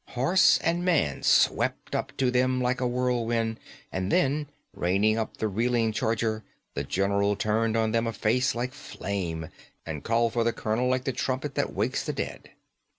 Horse and man swept up to them like a whirlwind; and then, reining up the reeling charger, the general turned on them a face like flame, and called for the colonel like the trumpet that wakes the dead.